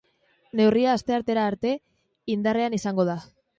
Neurria asteartera arte indarrean izango da.